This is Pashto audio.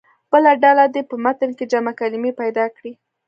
بله ډله دې په متن کې جمع کلمې پیدا کړي.